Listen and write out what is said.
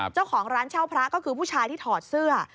เจ้าของร้านเช่าพระก็คือผู้ชายที่ถอดเสื้อ